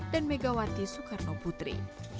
dan megawati soekarno putri